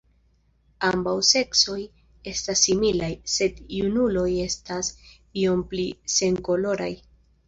Ambaŭ seksoj estas similaj, sed junuloj estas iom pli senkoloraj.